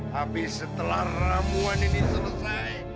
habis setelah ramuan ini selesai